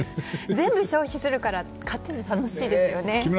全部消費するから買っても楽しいですよね。